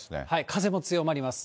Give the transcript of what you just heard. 風も強まります。